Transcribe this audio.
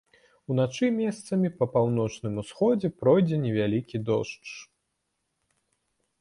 Уначы месцамі па паўночным усходзе пройдзе невялікі дождж.